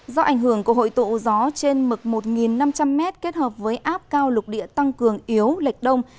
do ảnh hưởng của hội tụ gió trên mực một năm trăm linh m kết hợp với áp cao lục địa tăng cường yếu lệch đông